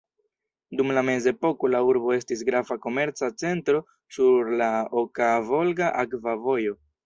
Dum la mezepoko la urbo estis grava komerca centro sur la Okaa-Volga akva vojo.